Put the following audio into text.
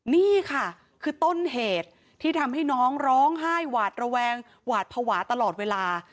นี่ค่ะคือต้นเหตุที่ทำให้น้องร้องไห้หวาดระแวงหวาดภาวะตลอดเวลา